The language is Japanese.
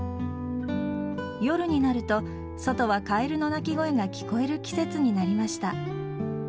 夜になると、外はカエルの鳴き声が聞こえる季節になりました。